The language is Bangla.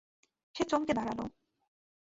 সে চমকে দাঁড়ালো।